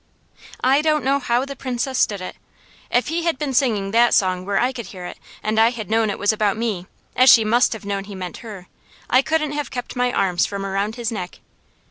I don't know how the Princess stood it. If he had been singing that song where I could hear it and I had known it was about me, as she must have known he meant her, I couldn't have kept my arms from around his neck.